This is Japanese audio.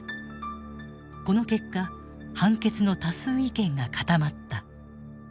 この結果判決の多数意見が固まった。